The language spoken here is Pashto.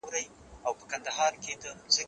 زه هره ورځ قلم استعمالوم!؟